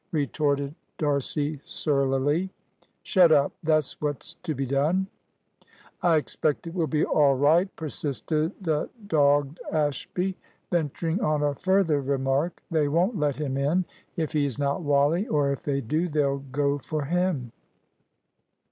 retorted D'Arcy surlily. "Shut up; that's what's to be done." "I expect it will be all right," persisted the dogged Ashby, venturing on a further remark. "They won't let him in, if he's not Wally; or if they do, they'll go for him."